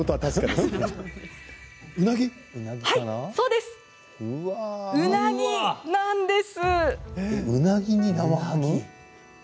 そう、うなぎなんです。